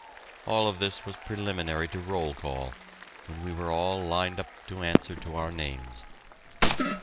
All this was preliminary to roll call, when we were all lined up to answer to our names.